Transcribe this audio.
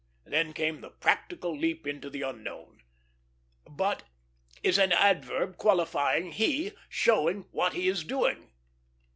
Then came the "practical" leap into the unknown. "'But' is an adverb, qualifying 'he,' showing what he is doing."